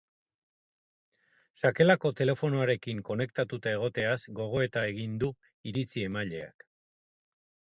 Sakelako telefonoarekin konektatuta egoteaz gogoeta egin du iritzi-emaileak.